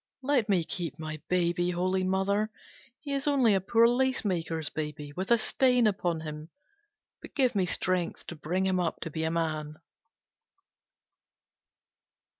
Let me keep my baby, Holy Mother. He is only a poor lace maker's baby, with a stain upon him, but give me strength to bring him up to be a man.